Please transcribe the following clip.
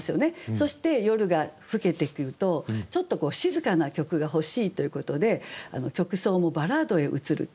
そして夜が更けてくるとちょっと静かな曲が欲しいということで曲想もバラードへ移ると。